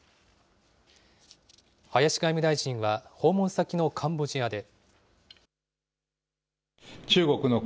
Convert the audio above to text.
林外務大臣は、訪問先のカンボジアで。